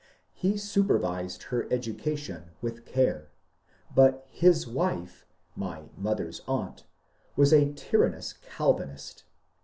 ^ He supervised her education with care, but his wife (my mother's aimt) was a tyrannous Calvinist.